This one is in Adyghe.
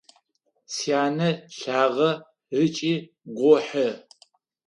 Сянэ лъагэ ыкӏи гохьы.